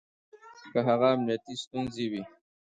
که هغه امنيتي ستونزې وي